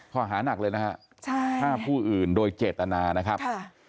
ข้อหานักเลยนะฮะฆ่าผู้อื่นโดยเจตนานะครับ